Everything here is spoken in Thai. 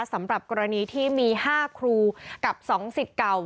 สำหรับกรณีที่มี๕ครูกับ๒สิทธิ์เก่า